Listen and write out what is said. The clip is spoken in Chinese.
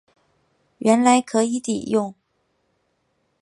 原来可以抵用